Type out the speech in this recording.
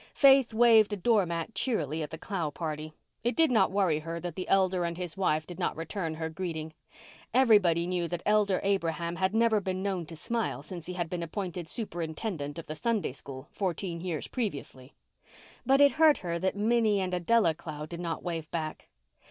Faith waved a door mat cheerily at the Clow party. It did not worry her that the elder and his wife did not return her greeting. Everybody knew that Elder Abraham had never been known to smile since he had been appointed Superintendent of the Sunday School fourteen years previously. But it hurt her that Minnie and Adella Clow did not wave back.